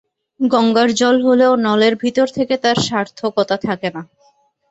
গঙ্গার জল হলেও নলের ভিতর থেকে তার সার্থকতা থাকে না।